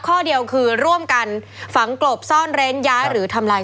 ข้อเดียวคือร่วมกันฝังกลบซ่อนเร้นย้ายหรือทำลาย